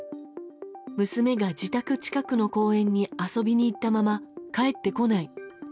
娘が自宅近くの公園に遊びに行ったまま帰ってこない。